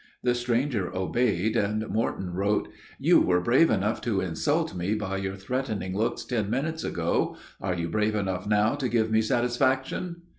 The stranger obeyed, and Morton wrote: "You were brave enough to insult me by your threatening looks ten minutes ago; are you brave enough now to give me satisfaction?"